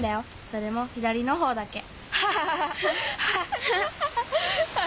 それも左の方だけ。